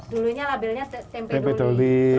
dulunya labelnya tempe doli